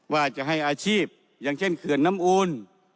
ว่าจะให้อาชีพอย่างเช่นเขื่อนน้ำอูล